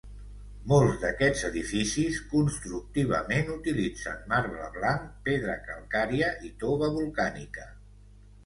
Molts d'aquests edificis constructivament utilitzen marbre blanc, pedra calcària i tova volcànica.